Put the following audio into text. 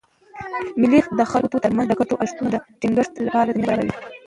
مېلې د خلکو ترمنځ د ګډو ارزښتونو د ټینګښت له پاره زمینه برابروي.